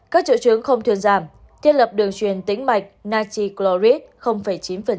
các triệu chứng không thuyền giảm thiết lập đường chuyển tính mạch nitricloride chín